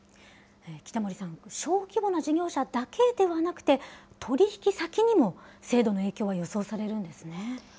北森さん、小規模な事業者だけではなくて、取り引き先にも、制度の影響は予想されるんですね。